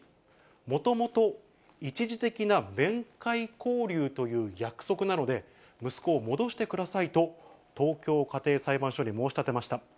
もともと一時的な面会交流という約束なので、息子を戻してくださいと東京家庭裁判所に申し立てました。